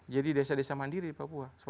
jadi desa desa mandiri di papua